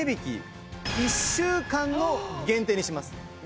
１週間の限定にします。